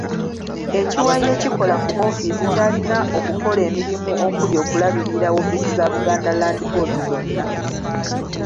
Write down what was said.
Ekiwayi ekikola ku woofiisi kyalina okukola emirimu okuli okulabirira wofiisi za Buganda Land Board zonna.